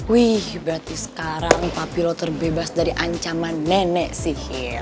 wih berarti sekarang papilo terbebas dari ancaman nenek sihir